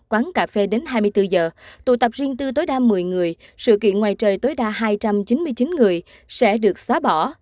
quán cà phê đến hai mươi bốn giờ tụ tập riêng tư tối đa một mươi người sự kiện ngoài trời tối đa hai trăm chín mươi chín người sẽ được xóa bỏ